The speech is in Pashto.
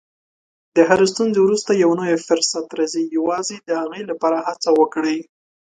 د هرې ستونزې وروسته یو نوی فرصت راځي، یوازې د هغې لپاره هڅه وکړئ.